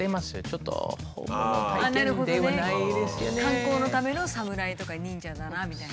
観光のための侍とか忍者だなみたいな。